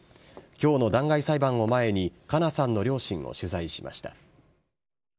きょうの弾劾裁判を前に、加奈さんの両親を取材しました。